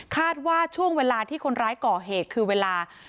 คาดว่าช่วงเวลาที่คนร้ายก่อเหตุคือเวลา